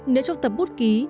nếu trong tập bút ký